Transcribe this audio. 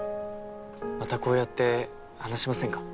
またこうやって話しませんか？